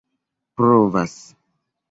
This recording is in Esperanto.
provas